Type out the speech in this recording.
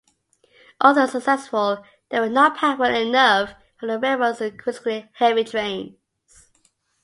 Although successful, they were not powerful enough for the railroad's increasingly heavy trains.